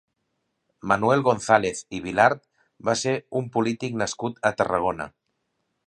Manuel González i Vilart va ser un polític nascut a Tarragona.